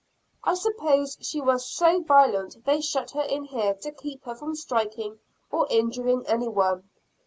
I suppose she was so violent they shut her in here to keep her from striking or injuring any one.